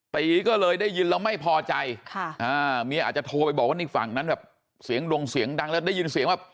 ตีก็เลยได้ยินแล้วไม่พอใจเมียอาจจะโทรไปบอกว่านี่ฝั่งนั้นแบบเสียงดงเสียงดังแล้วได้ยินเสียงแบบ